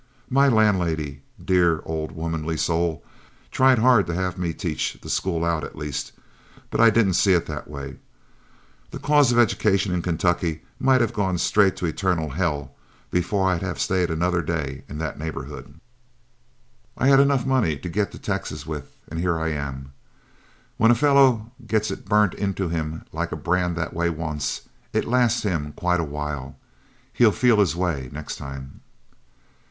My landlady, dear old womanly soul, tried hard to have me teach the school out at least, but I didn't see it that way. The cause of education in Kentucky might have gone straight to eternal hell, before I'd have stayed another day in that neighborhood. I had money enough to get to Texas with, and here I am. When a fellow gets it burnt into him like a brand that way once, it lasts him quite a while. He 'll feel his way next time."